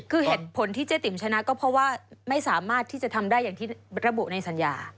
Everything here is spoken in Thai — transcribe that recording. คือเหตุผลที่เจ๊ติ๋มชนะก็เพราะว่าไม่สามารถที่จะทำได้อย่างที่ระบุในสัญญา